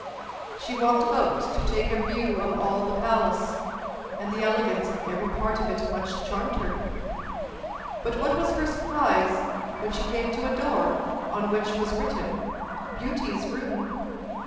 She walked about to take a view of all the palace, and the elegance of every part of it much charmed her. But what was her surprise, when she came to a door on which was written, BEAUTY'S ROOM!